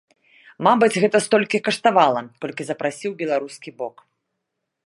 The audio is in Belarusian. Мабыць, гэта столькі каштавала, колькі запрасіў беларускі бок.